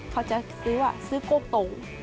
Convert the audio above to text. เขาจะซื้อว่าซื้อโก้โต